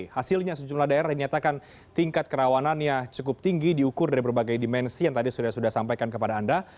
hasilnya sejumlah daerah dinyatakan tingkat kerawanannya cukup tinggi diukur dari berbagai dimensi yang tadi sudah sudah sampaikan kepada anda